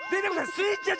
スイちゃん。